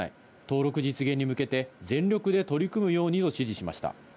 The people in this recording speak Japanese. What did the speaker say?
登録実現に向けて全力で取り組むようにと指示しました。